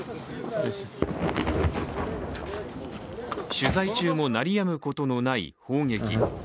取材中も鳴りやむことのない砲撃。